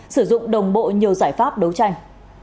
sử dụng đồng bộ nhiều giải pháp đấu tranh